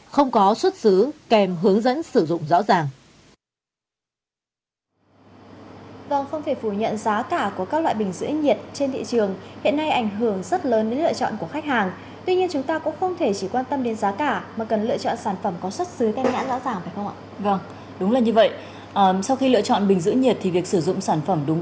không có xuất xứ kèm hướng dẫn sử dụng rõ ràng